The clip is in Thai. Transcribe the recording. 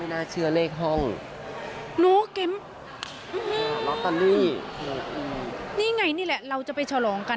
แล้วก็ไม่น่าเชื่อเลขห้อง